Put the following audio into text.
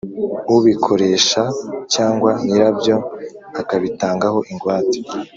ubikoresha cyangwa nyirabyo akabitangaho ingwate